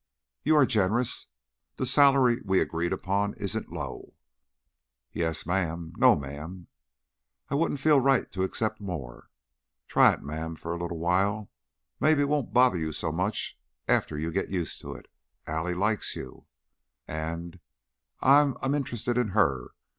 "You are generous. The salary we agreed upon isn't low." "Yes'm No, ma'am!" "I wouldn't feel right to accept more." "Try it, ma'am, for a little while. Mebbe it won't bother you so much after you get used to it. Allie likes you." "And I I am interested in her.